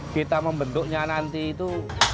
kita membentuknya nanti itu